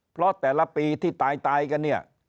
เพราะแต่ละปีที่ตายกันเนี่ย